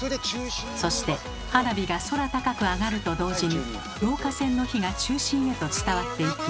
そして花火が空高く上がると同時に導火線の火が中心へと伝わっていき